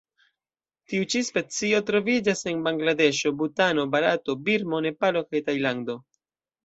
Tiu ĉi specio troviĝas en Bangladeŝo, Butano, Barato, Birmo, Nepalo kaj Tajlando.